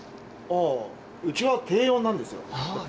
ああうちは低温なんですよああ